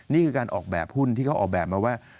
นี่คือการออกแบบหุ้นที่เขาออกแบบมาว่า